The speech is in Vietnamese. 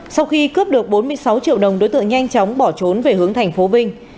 sau khi cướp được bốn mươi sáu triệu đồng đối tượng nhanh chóng bỏ trốn về hướng tp vinh